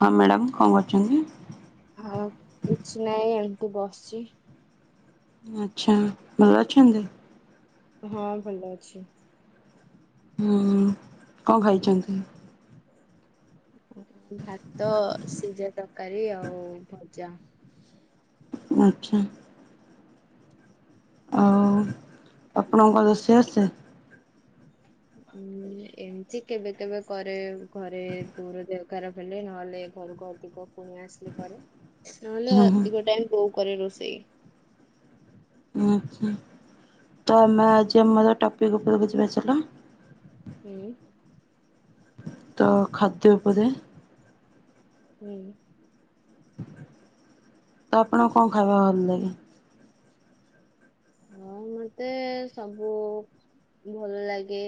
ହଁ ମ୍ୟାଡ଼ାାମ କଣ କରୁଛନ୍ତି? ଆଉ କିଛି ନାହିଁ ଏମିତି ବସିଛି। ଆଚ୍ଛା ଭଲ ଅଛନ୍ତି? ହଁ ଭଲ ଅଛି। ହୁଁ କଣ ଖାଇଛନ୍ତି? ଭାତ, ସିଜା ତରକାରୀ ଆଉ ଭଜା। ଆଚ୍ଛା। ଆଉ ଆପଣଙ୍କୁ କଣ ରୋଷେଇ ଆସେ? ହଁ ଏମତି କେବେ କେବେ କରେ ଘରେ ବୋଉର ଦେହ ଖରାପ ହେଲେ ନହଲେ ଘରକୁ ଦିଗ ପୁଣି ଆସିଲେ କରେ, ନହେଲେ ହୁଁ ଅଧିକ ହୁଁ ଟାଇମ୍ ବୋଉ କରେ ରୋଷେଇ। ଉଁ ହୁଁ, ତ ଆମେ ଆଜି ଆମର ଟପିକ ଉପରକୁୁ ଯିବା ଚାଲ। ହୁଁ ତ ଖାଦ୍ୟ ଉପରେ ହୁଁ। ତ ଆପଣଙ୍କୁ କଣ ଖାଇବା ଭଲ ଲାଗେ? ହଁ ମତେ ସବୁ ଭଲ ଲାଗେ।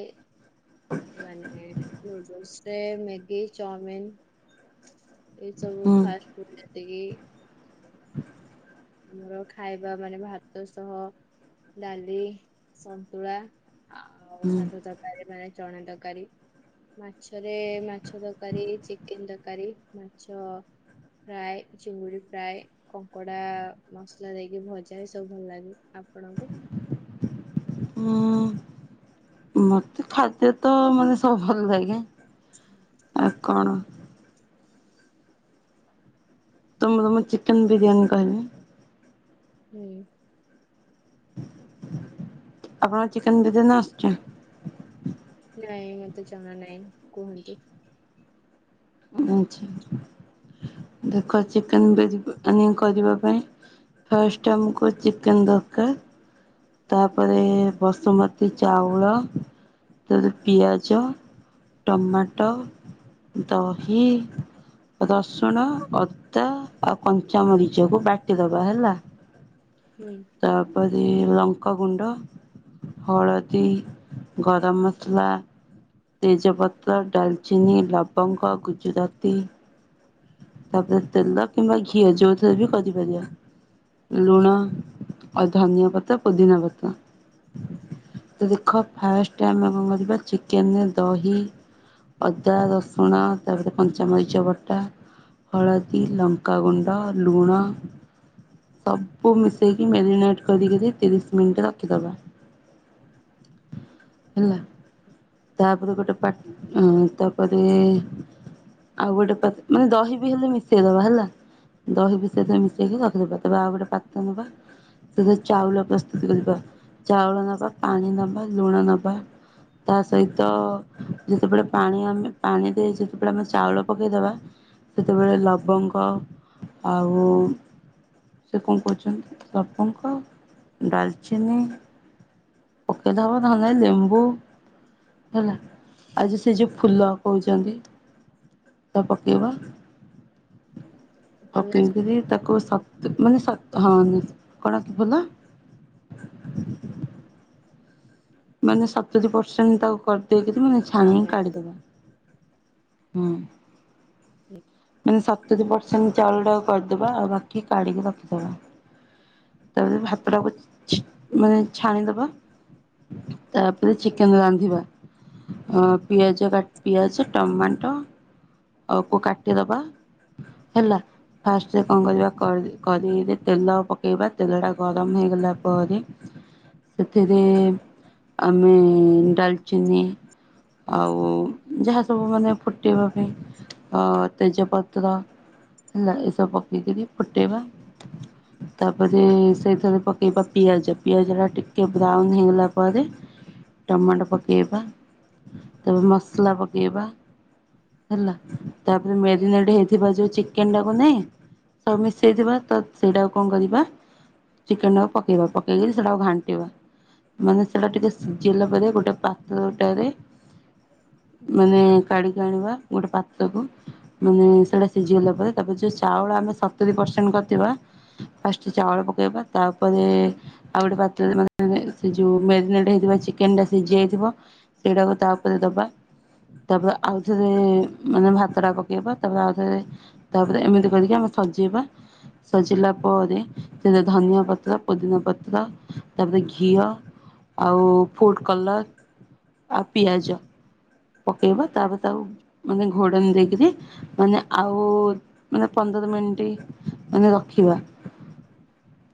ମାନେ ନୁଡଲସରେ ମେଗି, ଚଉମିନ। ଏଇ ସବୁ ହୁଁ ଫାଷ୍ଟ ଫୁଡ ଯେତିକି। ଆମର ଖାଇବା ମାନେ ଭାତ ସହ ଡାଲି, ସନ୍ତୁଳା ଆଉ ହୁଁ ସାଧା ତରକାରୀ ମାନେ ଚଣା ତରକାରୀ। ମାଛରେ ମାଛ ତରକାରୀ, ଚିକେନ ତରକାରୀ, ମାଛ ଫ୍ରାଏ ଚିଙ୍ଗୁଡି ଫ୍ରାଏ, କଙ୍କଡ଼ା ମସଲା ଦେଇକି ଭଜା ଏ ସବୁ ଭଲ ଲାଗେ। ଆପଣଙ୍କୁ ହଁ। ମତେ ଖାଦ୍ୟ ତ ମାନେ ସବୁ ଭଲ ଲାଗେ। ଆ କଣ ତମକୁ ମୁଁ ଚିକେନ ବିରିୟାନୀ କହିବି। ହୁଁ। ଆପଣଙ୍କୁ ଚିକନ ବିରିୟାନୀ ଆସଛି? ନାଇଁ ମତେ ଜଣା ନାଇଁ, କୁହନ୍ତୁ। ଆଚ୍ଛା, ଦେଖ ଚିକେନ ବିରି ୟାନୀ କରିବା ପାଇଁ ଫାଷ୍ଟ ଆମକୁ ଚିକେନ୍ ଦରକାର। ତାପରେ ବସୁମତୀ ଚାଉଳ, ତାରେ ପିଆଜ ଟମାଟୋ, ଦହି। ରସୁଣ, ଅଦା ଆଉ କଞ୍ଚାମରିଚ କୁ ବାଟିଦବା ହେଲା। [inaudible] ହୁଁ। ତାପରେ ଲଙ୍କ ଙ୍କ ଗୁଣ୍ଡ, ହଳଦୀ, ଗରମ ମସଲା ତେଜପତ୍ର, ଡାଲଚିନି, ଲବଙ୍ଗ, ଗୁଜୁରାତି। ତାପରେ ତେଲ କିମ୍ବା ଘିଅ ଯୋଉଥିରେ ବି କରିପାରିବା। ହୁଁ ଲୁଣ ଆଉ ଧନିଆ ପତ୍ର, ପୁଦିନାପତ୍ର। ତ ଦେଖ ଫାଷ୍ଟ ଆମେ କଣ କରିବା ଚିକେନରେ ଦହି ଅଦା, ରସୁଣ ତା ଭିତରେ କଞ୍ଚାମରିଚ ବଟା। ହଳଦୀ, ଲଙ୍କାଗୁଣ୍ଡ, ଲୁଣ। ସବୁ ମିଶେଇକି ମ୍ୟାରିନେଟ କରିକ ତିରିଶ ମିନିଟ୍ ରଖିଦବା। ହେଲା। ତାପତି ଗୋଟେ ପାତ, ତାପରେ ଆଉ ଗଟେ ପାତ ମାନେ ଦହି ବି ହେଲେ ମିଶେଇ ଦବା ହେଲା। ଦହି ବି ସେଥିରେ ମିଶେଇକି ରଖିଦବା। ତାପରେ ଆଉ ଗୋଟେ ପାତ୍ର ନବା। ସେଥି ଚାଉଳ ପ୍ରସ୍ତୁତ [unintelligible] ଚାଉଳ ନବା, ପାଣି ନବା, ଲୁଣ ନବା। ତା ସହିତ ଯେତେବେଳେ ପାଣି ଆମେ ପାଣି ଦେଇ ଯେତେବେଳେ ଆମେ ଚାଉଳ ପକେଇଦବା ସେତେବେଳେ ଲବଙ୍ଗ ଆଉ ସେ କଣ କହୁଛନ୍ତି ଲବଙ୍ଗ, ଡାଲଚିନି। ଦବ ଧାନରେ ଲେମ୍ବୁ ହେଲା ଆଜି ସେ ଯୋଉ ଫୁଲ କହୁଛନ୍ତି। ତାକୁ ପକେଇବା ଅନାସୀ ପକେଇକରି ତାକୁ ସଫା ମାନେ ସତ ହଁ କଣ କି ଭଲ? ମାନେ ସତୁରି ପରସେଣ୍ଟ ତାକୁ କରିଦେଇକିରି ମାନେ ଛାଣିକି ଅନାସୀ କାଢିଦେବା। ହୁଁ। ମାନେ ସତ୍ ସତୁରି ପରସେଣ୍ଟ୍ ଚାଉଳଟାକୁ କରିଦବା ବାକି କାଢ଼ିକି ରଖିଦବା। ତା ପରେ ଭାତଟାକୁ ଛି ମାନେ ଛାଣିଦବା। ତାପରେ ହୁଁ ଚିକେନ୍ ରାନ୍ଧିବା। ଅ ପିଆଜ କାଟିଆ ସ ଟମାଟ ସବୁ କାଟିଦବା ହେଲା ଫାଷ୍ଟରେ କଣ କରିବା କରି କରିଇରେ ତେଲ ପକେଇବା ତେଲ ପକେଇବା ତେଲଟା ଗରମ ହେଇଗଲା ପରେ ସେଥିରେ ଆମେ ଡାଲ୍ଚିନି ଆଉ ଯାହା ସବୁ ମାନେ ଫୁଟେଇବା ପାଇଁ ଅ ତେଜପତ୍ର ହେଲା ଏସବୁ ପକେଇକିରି ଫୁଟେଇବା। ତାପରେ ସେଇଥିରେ ପକେଇବା ପିଆଜ ପିଆଜ ଟା ଟିକେ ବ୍ରାଉନ୍ ହେଇଗଲା ପରେ ଟମାଟୋ ପକେଇବା। ତେବେ ମସଲା ପକେଇବା ହେଲା। ତାପରେ ହୁଁ ମ୍ୟାରିନାଡି ହେଇଥିବା ଯୋଉ ଚିକେନ୍ ଟାକୁ ନାଇଁ ସବୁ ହୁଁ ମିଶେଇଥିବା ତ ସେଇଟା ଆଉ କଣ କରିବା ଚିକେନ୍ ଟାକୁ ପକେଇବା ପକେଇକିରି ସେଇଟାକୁ ଘାଣ୍ଟିବା। ମାନେ ସେଟା ଟିକେ ସିଜିଗଲା ପରେ ଗୋଟେ ପାତ୍ର ଟାରେ ମାନେ କାଢିକି ଆଣିବା ଗୋଟେ ପାତ୍ର କୁ। ମାନେ ସେଇଟା ସିଜିଗଲା ପରେ ତାପରେ ଯୋଉ ଚାଉଳ ଆମେ ସତୁରି ପରସେଣ୍ଟ୍ କରିଥିବା। ଫାଷ୍ଟ ଚାଉଳ ପକେଇବା ତାପରେ ଆଉ ଗୋଟେ ପାତ୍ରରେ ମାନ୍ ସେ ଯୋଉ ମ୍ୟାରିନେଡ୍ ହେଇଥିବା ଚିକେନ୍ ଟା ସିଜି ଯାଇଥିବ ସେଇଟାକୁ ତା ଉପରେ ଦବା। ତାପରେ ଆଉଥରେ ମାନେ ଭାତ ଟା ପକେଇବା ତାପରେ ଆଉଥରେ ତାପରେ ଏମିତି କରିକି ଆମେ ସଜେଇବା। ସଜେଇଲା ପରେ ସେଥିରେ ଧନିଆ ପତ୍ର ପୋଦିନା ପତ୍ର ତାପରେ ଘି ଘିଅ ଆଉ ଫୁଡ଼୍ କଲର୍ ଆଉ ପିଆଜ ପକେଇବା ହୁଁ ତାପରେ ତାକୁ ମାନେ ଘୋଡନି ଦେଇକିରି ମାନେ ଆଉ ମାନେ ପନ୍ଦର ମିନିଟ୍ ମାନେ ରଖିବା।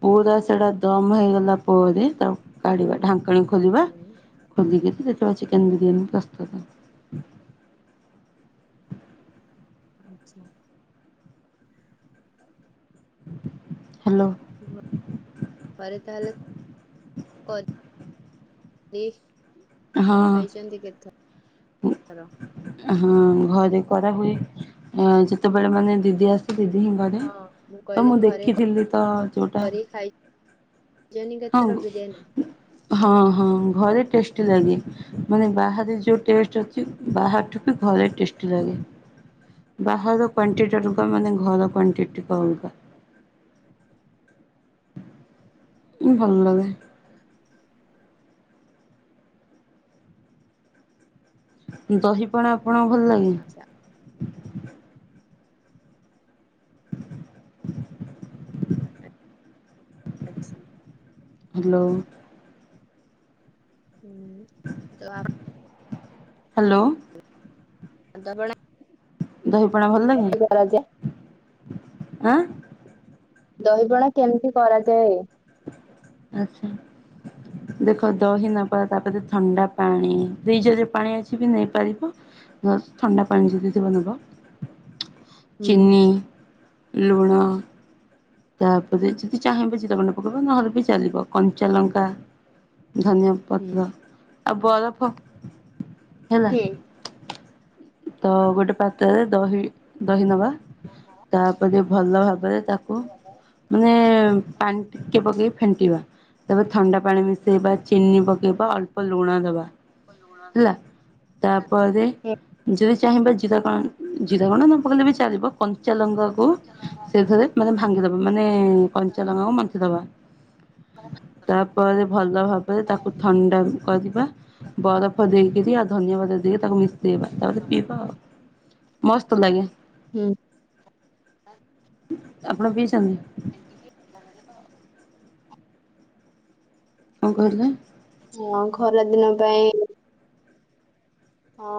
ପୁରା ସେଟା ଦମ୍ ହେଇଗଲା ପରେ ତାକ୍ କାଢ଼ିବା ଢାଙ୍କେଣୀ ଖୋଲିବା ହୁଁ ଖୋଲିକିରି ଯେତେବେଳେ ଚିକେନ୍ ବିରିୟାନୀ ପ୍ରସ୍ତୁତ। ଆଚ୍ଛା। ହାଲୋ। ଘରେ ତାହେଲେ ପଦ୍ କି ହଁ ଖାଇଚନ୍ତି କେତେଥର? ହଁ ଘରେ କରାହୁଏ ଯେତେବେଳେ ମାନେ ଦିଦି ଆସ୍ ଦିଦି ହିଁ କରେ ହଁ ତ କହିଲି ମୁଁ ଘରେ କ- ଦେଖିଥିଲି ତ ଯୋଉଟା କରିକି ଖାଇଛନ୍ତି ହଁ କେତେଥର ବିରିୟାନୀ? ମୁଁ ହଁ ହଁ ଘରେ ଟେଷ୍ଟି ଲାଗେ ମାନେ ବାହାରେ ଯୋଉ ଟେଷ୍ଟ୍ ବାହାର ଠୁ ଆ- ବି ଘରେ ଟେଷ୍ଟ୍ ଟେଷ୍ଟି ଲାଗେ ବାହାର କ୍ୱଣ୍ଟିଟି ଅନୁପପ୍ ମାନେ ଘର କ୍ୱଣ୍ଟିଟିି ଅଲଗା। ଉଁ ଭଲଲାଗେ। ଦହିପଣା ଆପଣଙ୍କୁ ଭଲ ଲାଗେ? ଆଛା [unintelligible] ଆଚ୍ଛା। ହାଲୋ। [inaudible] ହାଲୋ। [unintelligible] ଦହି ପଣା ଭଲ ଲାଗେ? ଜା [unintelligible] ଆଁ ଦହିିପଣା କେମିତି କରାଯାଏ? ଆଚ୍ଛା। ଦେଖ ଦହି ନବା ତାପରେ ଥଣ୍ଡା ପାଣି ଦିଜ ଯ ପାଣି ଅଛି ବି ନେଇପାରିବ। ଥଣ୍ଡା ପାଣି ଯଦି ଥିବ ନବ ହୁଁ ଚିିନ, ଲୁଣ ତାପରେ ଯଦି ଚାହିଁବେ ଜିରା ଗୁଣ୍ଡ ପକେଇବ ନହେଲେ ବି ଚଲିବ କଞ୍ଚା ଲଙ୍କା ଧନିଆ ହୁଁ ପତ୍ର ଆଉ ବରଫ ହେଲା। ହୁଁ। ତ ଗୋଟେ ପାତ୍ରରେ ଦହି ଦହି ନବା ତାପରେ ଭଲ ଭାବରେ ତାକୁ ମାନେ ପାଣି ଟିକେ ପକେଇ ଫେଣ୍ଟିବା ତାପରେ ଥଣ୍ଡା ପାଣି ମିଶାଇବା ଚିନି ପକ ବା ଅଳ୍ପ ଲୁଣ ଦବା ହେଲା ତାପରେ ଯଦି ଚାହିଁବା ଜିରା କ ଜିରା କଣ୍ଡ ନ ପକେଇଲେ ବି ଚାଲିବ କଞ୍ଚା ଲଙ୍କାକୁ ସେ ଘରେ ମାନେ ଭାଙ୍ଗିଦବା ମାନେ କଞ୍ଚା ଲଙ୍ଗା କୁ ମାଖିଦବା। ତାପରେ ଭଲ ଭାବରେ ତାକୁ ଥଣ୍ଡା କରିବା ବରଫ ଦେଇକରି ଆଉ ଧନଆବାଦ ଦେଇକି ତାକୁ ମିଶେଇବା। ତାପରେ ପିଇବା ଆଉ ମସ୍ତ ଲାଗେ। ହୁଁ। ଆପଣ ପିଇଛନ୍ତି? କଣ କହିଲେ? ହଁ ଖରା ଦିନ ପାଇଁ ହଁ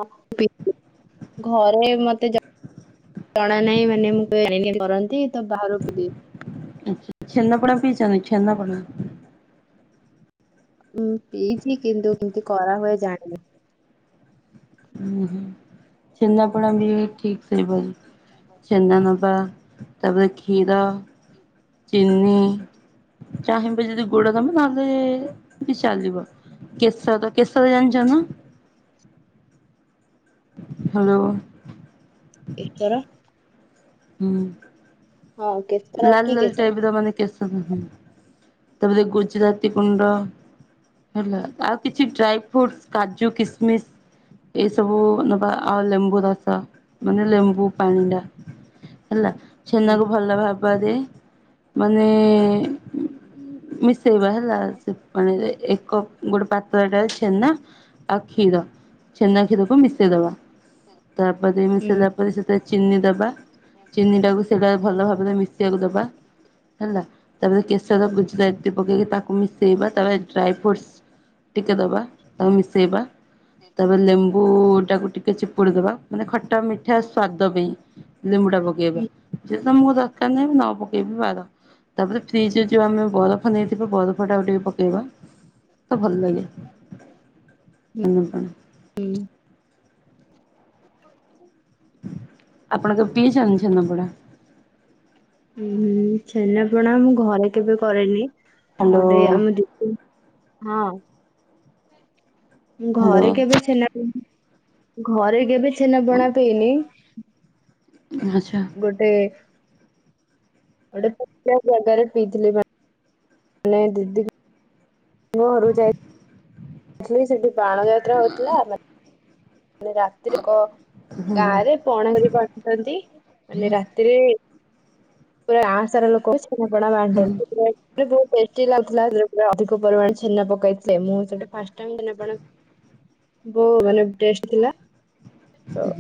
[inaudible] ଘରେ ମତେ ଜଣା ନାହିଁ ମାନେ ମୁଁ କରନ୍ତି ତ ବାହାରକୁ ଛେନା ପଣା ପିଇଛନ୍ତି ଛେନାପଣା? ଉଁ ପିଇଛି କିନ୍ତୁ କେମତି କରାହୁଏ ଜାଣିନି। ହୁଁ ହୁଁ ଛେନାପଣା ବି ଠିକ୍ ସେଇ ଛେନାନବା ତାପରେ କ୍ଷୀର ଚିିନି ଚାହିଁବ ଯଦି ଗୋଡ ନବ ନ ବି ଚାଲିବ। କେଶର କେଶର ତ ଜାଣିଛ ନା? ହ୍ୟାଲୋ କେସର। ହୁଁ ହଁ ଓକେ। ଲାଲ ଲାଲ ଟାଇପର ମାନେ କେଶର ତାପରେ ଗୁଜୁରାତି ଗୁଣ୍ଡ ହେଲା ଆଉ କିଛି ଡ୍ରାଏ ଫ୍ରୁଟସ କାଜୁ କିସମିସ। ଏଇ ସବୁ ନବା ଆଉ ଲେମ୍ବୁ ରସ ମାନେ ଲେମ୍ବୁ ପାଣିଟା ହେଲା ହୁଁ ଛେନାରୁ ଭଲ ଭାବରେ ମାନେ ମିସେଇବା ହେଲା ସେ ପାଣିରେ ଏକ ଗୋଟେ ପାତ୍ରରେ ଛେନା ଆଉ କ୍ଷୀର ଛେନା କ୍ଷୀରକୁ ମିଶେଇଦବା। ତାପରେ ହୁଁ ମିଶାଇଲା ପରେ ସେଥିରେ ଚିନି ଦବା ଚିନି ଟାକୁ ସେଟା ଭଲ ଭାବରେ ମିଶ ମିଶିବାକୁ ଦବା। ହେଲା ତାପରେ କେଶର ଗୁଜୁରାତି ପକେଇକି ତାକୁ ମିଶେଇବା ତାପରେ ଡ୍ରାଏ ଫ୍ରୁଟସ ଟିକେ ଦବା ତାପରେ ମିଶେଇବା ତାପରେ ଲେମ୍ବୁ ଲେମ୍ବୁ ଟାକୁ ଟିକେ ଚିପୁଡି ଦବା ମାନେ ଖଟା ମିଠା ସ୍ଵାଦ ପାଇଁ ଲେମ୍ବୁ ଟା ପକେଇବା ହୁଁ ଯେ ତମକୁ ଦରକାର ନାହିଁ ନ ପକେଇ ବି ପାର। ତାପରେ ଫ୍ରିଜିରେ ଯୋଉଁ ଆମେ ବରଫ ନେଇଥିବେ ବରଫଟାକୁ ଟିକେ ପକେଇବ ତ ଭଲ ଲାଗେ। ଉଁ ହୁଁ। ହୁଁ। ଆପଣଙ୍କ ପି ଛନ୍ତି ଛେନା ପଣା? ଉଁ ହୁଁ ଛେନା ପଣା ମୁଁ ଘରେ କେବେ କରେନି ହ୍ୟାଲୋ ଗୋଟେ ଆମ ଦ ହଁ। ହ୍ୟାଲୋ ଘରେ କେବେ ଛେନା ପଣା ଘରେ କେବେ ଛେନାପଣା ପିଏନି। ଆଚ୍ଛା। ଗୋଟେ ଗୋଟେ ପଆ ଜାଗାରେ ପିଇଥିଲି [unintelligible] ମାନେ ଦିଦ୍ଦି ମୁଁ ଘରକୁ ଯାଇଥିଲି ସେଠି ବାଣ ଯାତ୍ରା ହଉଥିଲା ମାନେ ମାନେ ରାତି ଯାକ ହୁଁ ଗାଁରେ ପଣା କରି ବାଣ୍ଟୁଥାନ୍ତି ମାନେ ରାତିରେ ପୁରା ଗାଁ ସାରା ଲୋକ ପଣା ହୁଁ। ବାଣ୍ଟନ୍ତି ପୁରା [unintelligible] ବହୁ ଟେଷ୍ଟି ଲାଗୁଥିଲା ଅଧିକ ପରିମାଣ ଛେନା ପକାଇଥିଲେ ମୁଁ ସେ ଫାଷ୍ଟ ଟାଇମ୍ ଛେନା ପଣା ହଁ [inaudible] ବୋ ମାନେ ଟେଷ୍ଟ ଥିଲା ତ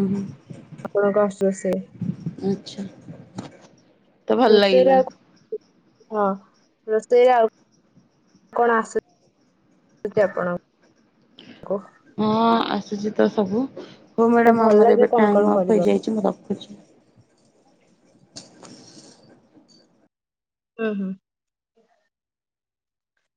ଉଁ ହୁଁ। ଆପଣଙ୍କୁ ଆସୁ ରୋଷେଇ? ଆଚ୍ଛା। ତ ଭଲ ରୋଷେଇ ଲାଗିଲା। ଆଉ କଣ ହଁ ରୋଷେଇ ଆଉ କଣ [unintelligible] କଣ ଆସୁଛି ଆପଣଙ୍କୁ କୁହ? ହଁ ଆସୁଛି ତ ସବୁ ହଉ ମ୍ୟାଡାମ ଭଲ ଆମର ଏବେ ଲାଗେ କଣ ଟାଇମ୍ କଣ ଅଫ୍ କରିବା ହେଇଯାଇଚି ମୁଁ ରଖୁଚି। ହୁଁ ହୁଁ।